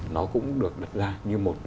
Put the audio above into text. nó cũng được đặt ra như một